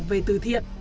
về từ thiện